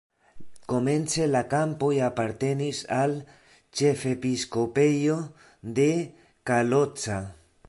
Komence la kampoj apartenis al ĉefepiskopejo de Kalocsa.